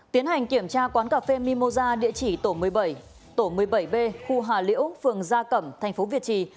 tiến hành kiểm tra quán cà phê mimosa địa chỉ tổ một mươi bảy tổ một mươi bảy b khu hà liễu phường gia cẩm thành phố việt trì